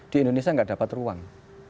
di indonesia tidak dapat ruang